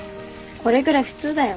これぐらい普通だよ。